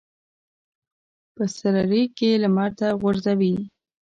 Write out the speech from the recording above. په سره ریګ یې لمر ته غورځوي.